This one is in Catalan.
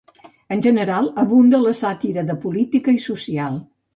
En general, abunda la sàtira de política i social.